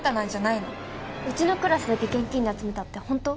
うちのクラスだけ現金で集めたって本当？